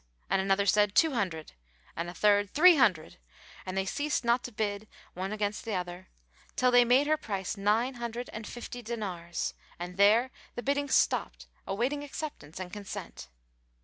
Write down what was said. And another said, "Two hundred," and a third, "Three hundred"; and they ceased not to bid, one against other, till they made her price nine hundred and fifty dinars, and there the biddings stopped awaiting acceptance and consent.